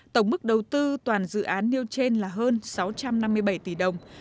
tổng mức đầu tư toàn dự án nêu trên là hơn sáu trăm năm mươi bảy tỷ đồng